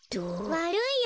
わるいよ